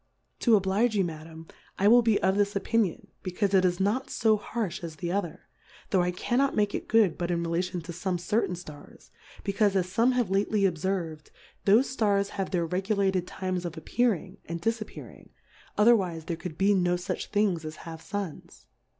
To oblige you, Madam, I will be of this Opinion, becaufe it is not fo harfh as the other, tho' I cannot make it good but in relation to fome certain Stars, becaufe as fome .have lately obferv^d, thofe Stars have their regulated times of appearing, and difappearing, other wife Plurality (?/ WORLDS. 1^7 wife there could be TiO fuch things as half Suns.